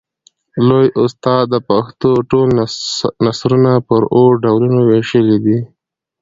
لوى استاد د پښتو ټول نثرونه پر اوو ډولونو وېشلي دي.